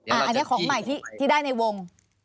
อันนี้ของใหม่ที่ได้ในวง